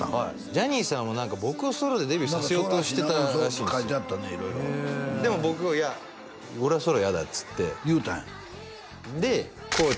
ジャニーさんも何か僕をソロでデビューさせようとしてたらしいんですよでも僕は「いや俺はソロ嫌だ」っつって言うたんやで地